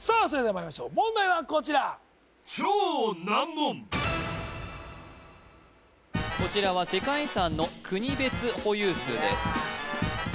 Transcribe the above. それではまいりましょう問題はこちらこちらは世界遺産の国別保有数です